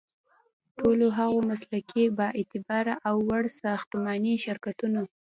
ټولو هغو مسلکي، بااعتباره او وړ ساختماني شرکتونو